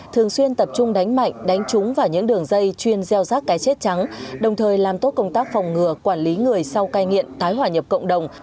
thường xuyên tập trung đánh mạnh đánh trúng vào những đường dây chuyên gieo rác cái chết trắng đồng thời làm tốt công tác phòng ngừa quản lý người sau cai nghiện tái hỏa nhập cộng đồng